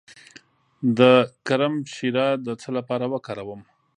د کرم شیره د څه لپاره وکاروم؟